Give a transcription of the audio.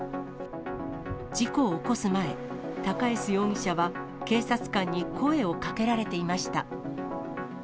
事故を起こす前、高江洲容疑者は、警察官に声をかけられていました。